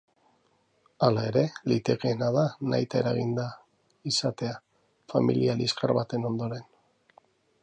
Hala ere, litekeena da nahita eraginda izatea, familia liskar baten ondoren.